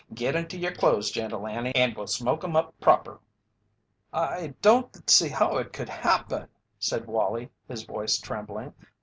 Git into your clothes, Gentle Annie, and we'll smoke 'em up proper." "I don't see how it could happen," said Wallie, his voice trembling.